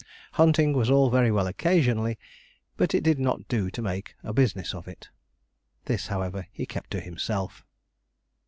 Hunting was all very well occasionally, but it did not do to make a business of it. This, however, he kept to himself.